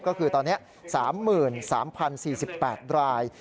ก็คือตอนนี้๓๓๐๔๘ราย